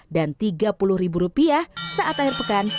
dan tiga puluh ribu rupiah saat akhir pekan